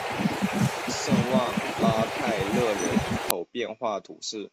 圣旺拉泰讷人口变化图示